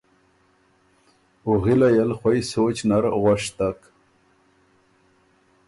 او غِلئ ال خوئ سوچ نر غوشتک۔